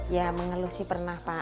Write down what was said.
ya mengeluh sih pernah pak